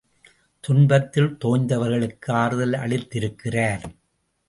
துன்பத்தில் தோய்ந்தவர்களுக்கு ஆறுதல் அளித்திருக்கிறார்.